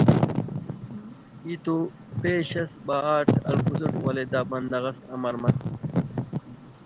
ای تو پیش اس بہا اٹ ہلکسٹ ولے دا بندغ اس امر مس